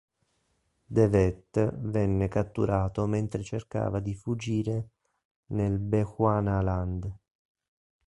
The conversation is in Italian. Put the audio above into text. De Wet venne catturato mentre cercava di fuggire nel Bechuanaland.